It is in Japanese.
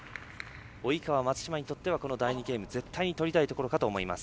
及川、松島にとってはこの第２ゲーム、絶対に取りたいところかと思います。